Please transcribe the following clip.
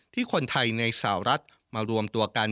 ที่คนไทยในสหรัฐมารวมตัวกัน